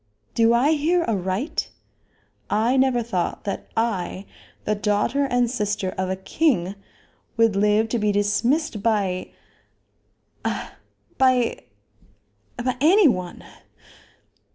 Do I hear aright? I never thought that I, the daughter and sister of a king, would live to be dismissed by a by a any one."